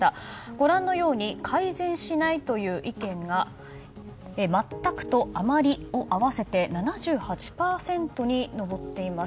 ご覧のように改善しないという意見が全くと、あまりを合わせて７８％に上っています。